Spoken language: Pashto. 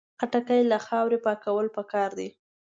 خټکی له خاورې پاکول پکار دي.